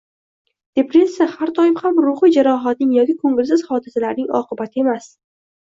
Depressiya har doim ham ruhiy jarohatning yoki ko‘ngilsiz hodisalarning oqibati emas.